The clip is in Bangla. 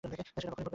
সেটা কখনই ঘটবে না।